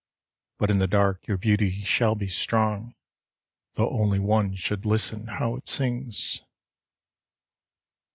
But in the dark your beauty shall be strong, Tho' only one should listen how it sings.